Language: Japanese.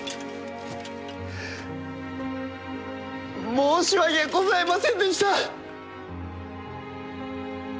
申し訳ございませんでした！